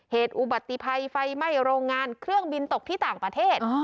อุบัติภัยไฟไหม้โรงงานเครื่องบินตกที่ต่างประเทศ